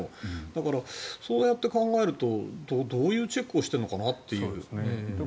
だから、そうやって考えるとどういうチェックをしてるのかなという。